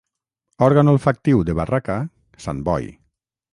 Òrgan olfactiu de barraca, sant Boi.